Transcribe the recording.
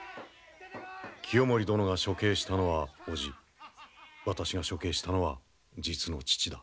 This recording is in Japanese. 清盛殿が処刑したのは叔父私が処刑したのは実の父だ。